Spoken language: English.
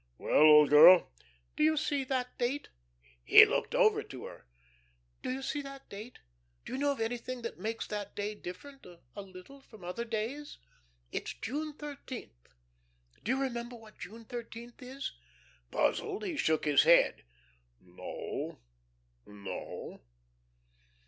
"Well, old girl?" "Do you see that date?" He looked over to her. "Do you see that date? Do you know of anything that makes that day different a little from other days? It's June thirteenth. Do you remember what June thirteenth is?" Puzzled, he shook his head. "No no."